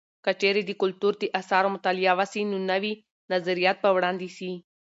که چیرې د کلتور د اثارو مطالعه وسي، نو نوي نظریات به وړاندې سي.